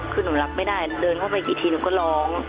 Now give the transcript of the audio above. คือหนูรับไม่ได้เดินเข้าไปกี่ทีหนูก็ร้อง